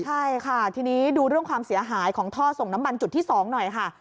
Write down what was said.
ใช่ค่ะทีนี้ดูเรื่องความเสียหายของท่อส่งน้ำมันจุดที่๒หน่อยค่ะ